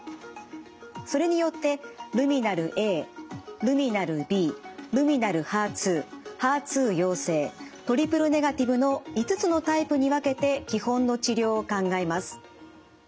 それによってルミナルＡルミナルＢルミナルＨＥＲ２ＨＥＲ２陽性トリプルネガティブの５つのタイプに分けて基本の治療を考えます。